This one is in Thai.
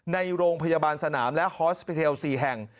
ในโรงพยาบาลสนามและฮอสปิเทล๔แห่ง